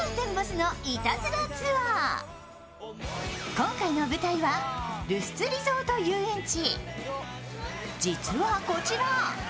今回の舞台はルスツリゾート遊園地。